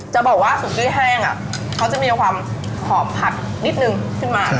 จะบอกว่าสุกี้แห้งเขาจะมีความหอมผัดนิดนึงขึ้นมา